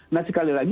nah sekali lagi